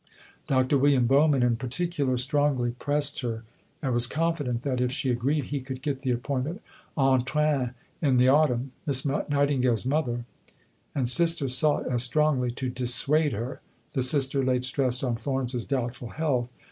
Dr. William Bowman in particular strongly pressed her, and was confident that, if she agreed, he could get the appointment en train in the autumn. Miss Nightingale's mother and sister sought as strongly to dissuade her. The sister laid stress on Florence's "doubtful health."